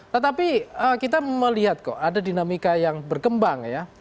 tetapi kita melihat kok ada dinamika yang berkembang ya